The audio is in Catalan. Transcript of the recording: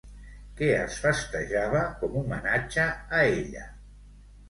Què es festejava com homenatge a ella?